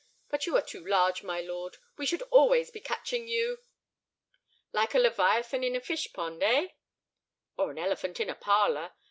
But you are too large, my lord; we should always be catching you." "Like a leviathan in a fish pond, eh?" "Or an elephant in a parlor.